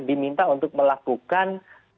diminta untuk melakukan